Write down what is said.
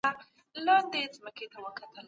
د سياست پوهني تاريخ ډېر پخوانی دی.